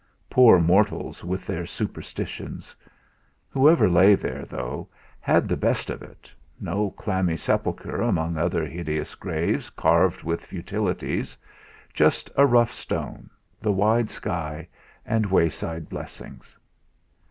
Poor mortals with their superstitions! Whoever lay there, though, had the best of it, no clammy sepulchre among other hideous graves carved with futilities just a rough stone, the wide sky, and wayside blessings!